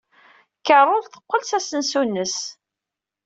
Carol teqqel s asensu-nnes.